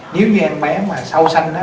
nếu như em bé mà sau sanh á